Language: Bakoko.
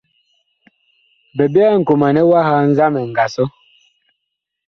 Bi byɛɛ nkomanɛ nzamɛ ɛ nga sɔ.